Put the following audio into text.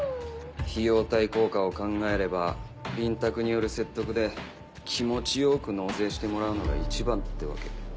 費用対効果を考えれば臨宅による説得で気持ちよく納税してもらうのが一番ってわけ。